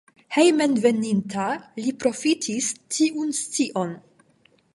Hejmenveninta li profitis tiun scion.